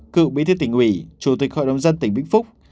cựu bí thiết tỉnh ủy chủ tịch hội đồng nhân dân tỉnh vĩnh phúc